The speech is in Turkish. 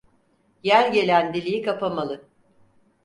Yel gelen deliği kapamalı.